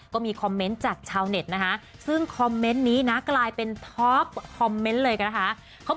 ขอบคุณมากค่ะเดี๋ยวเพิ่งลืมละค่ะ